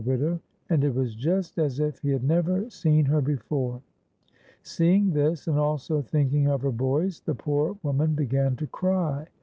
widow, and it was just as if he had never seen her before. Seeing this, and also thinking of her boys, the poor woman began to cry.